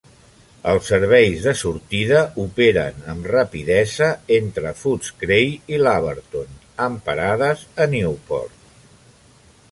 Els serveis de sortida operen amb rapidesa entre Footscray i Laverton, amb parada a Newport.